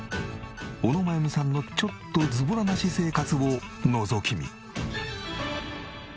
小野真弓さんのちょっとズボラな私生活をのぞき見。